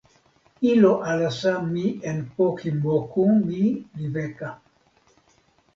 ilo alasa mi en poki moku mi li weka.